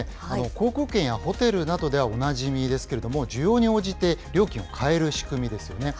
航空券やホテルなどではおなじみですけれども、需要に応じて料金を変える仕組みですよね。